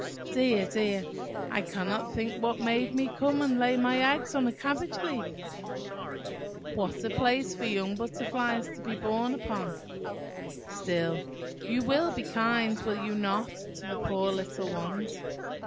Dear! dear! I cannot think what made me come and lay my eggs on a cabbage leaf! What a place for young butterflies to be born upon! Still you will be kind, will you not, to the poor little ones?